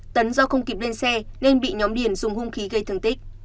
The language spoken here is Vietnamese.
tấn do không kịp lên xe nên bị nhóm điền dùng hung khí gây thương tích